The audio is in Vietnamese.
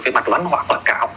về mặt văn hóa quảng cáo